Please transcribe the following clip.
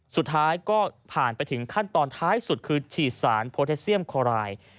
สุดท้ายก็ผ่านไปถึงขั้นตอนท้ายสุดคือฉีดสารโพเทสเซียมคอราย